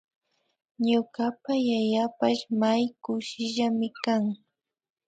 Ñukapa yayapash may kushillami kan